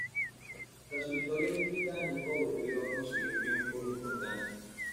Tras su victoria olímpica, nunca volvió a conseguir triunfos importantes.